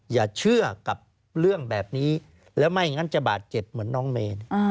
อย่าเชื่อกับเรื่องแบบนี้แล้วไม่งั้นจะบาดเจ็บเหมือนน้องเมน